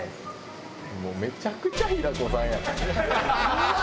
もうめちゃくちゃ平子さんやん。